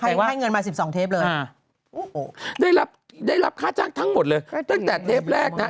ใครให้เงินมา๑๒เทปเลยได้รับค่าจ้างทั้งหมดเลยตั้งแต่เทปแรกนะ